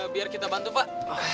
biar kita bantu pak